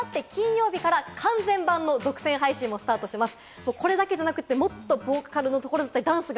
またＨｕｌｕでは、あさって金曜日から完全版の独占配信もスタートします。